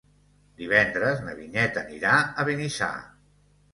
Divendres na Vinyet anirà a Benissa.